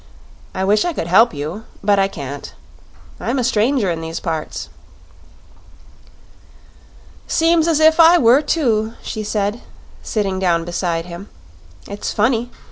"I wish I could help you; but I can't. I'm a stranger in these parts." "Seems as if I were, too," she said, sitting down beside him. "It's funny.